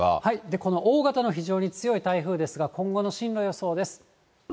この大型の非常に強い台風ですが、今後の進路予想です。